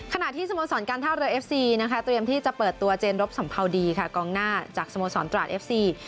ที่สโมสรการท่าเรือเอฟซีนะคะเตรียมที่จะเปิดตัวเจนรบสัมภาวดีค่ะกองหน้าจากสโมสรตราดเอฟซี